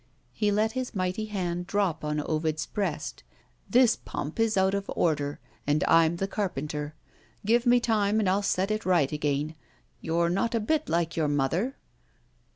He let his mighty hand drop on Ovid's breast. "This pump is out of order; and I'm the carpenter. Give me time, and I'll set it right again. You're not a bit like your mother."